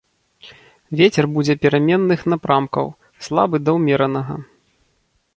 Вецер будзе пераменных напрамкаў, слабы да ўмеранага.